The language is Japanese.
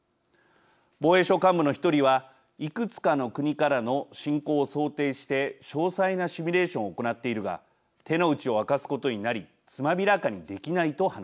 防衛省幹部の１人はいくつかの国からの侵攻を想定して詳細なシミュレーションを行っているが手の内を明かすことになりつまびらかにできないと話します。